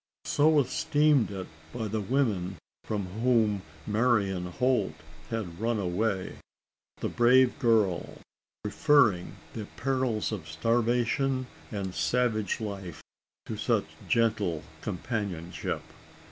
So esteemed it the women from whom Marian Holt had run away the brave girl preferring the perils of starvation and savage life to such gentle companionship!